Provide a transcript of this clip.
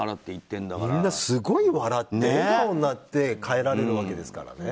みんなすごい笑って笑顔になって帰られるわけだからね。